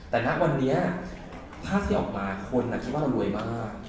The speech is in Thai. แต่ณวันนี้ภาพที่ออกมาคนคิดว่าเรารวยมาก